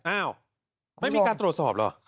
อ้าวไม่มีการตรวจสอบเหรอ